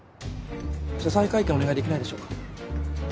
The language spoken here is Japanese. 謝罪会見お願いできないでしょうか？